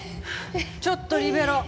ちょっとリベロウ